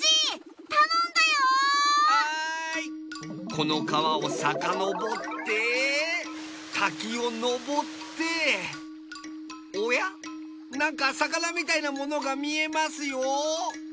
この川をさかのぼって滝をのぼっておやなんか魚みたいなものが見えますよ。